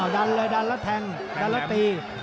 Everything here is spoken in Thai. ดันเลยดันแล้วแทงดันแล้วตี